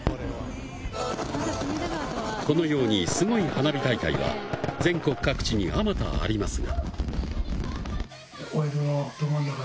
このように、すごい花火大会は全国各地にあまたありますが。